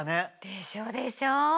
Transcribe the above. でしょでしょ？